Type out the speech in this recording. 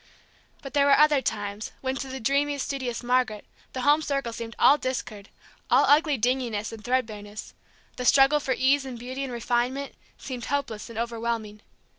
But there were other times when to the dreamy, studious Margaret the home circle seemed all discord, all ugly dinginess and thread bareness; the struggle for ease and beauty and refinement seemed hopeless and overwhelming.